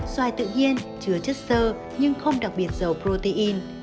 xoài tự nhiên chứa chất sơ nhưng không đặc biệt dầu protein